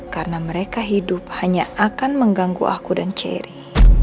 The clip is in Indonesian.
karena mereka hidup hanya akan mengganggu aku dan cherry